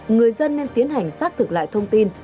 người dân nên tiến hành xác thực lại thông tin